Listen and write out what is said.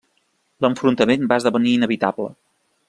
L'enfrontament va esdevenir inevitable.